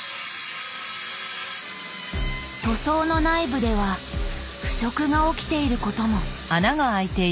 塗装の内部では腐食が起きていることも。